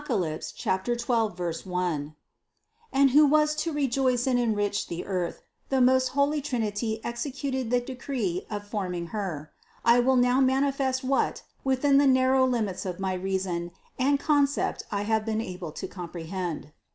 12, 1), and who was to re joice and enrich the earth, the most holy Trinity exe cuted the decree of forming Her. I will now manifest what within the narrow limits of my reason and concept I have been able to comprehend.